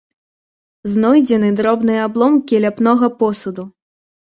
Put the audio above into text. Знойдзены дробныя абломкі ляпнога посуду.